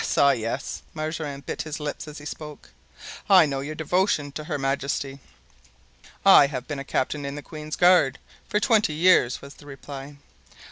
ah yes!" Mazarin bit his lips as he spoke; "I know your devotion to her majesty." "I have been a captain in the queen's guards for twenty years," was the reply.